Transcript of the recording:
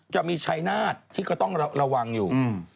จะมีชัยนาฏที่ก็ต้องระวังอยู่